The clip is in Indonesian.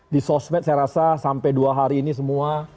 di sosmed saya rasa sampai dua hari ini semua